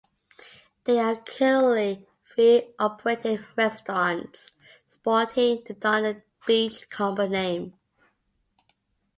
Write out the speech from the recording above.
There are currently three operating restaurants sporting the Don The Beachcomber name.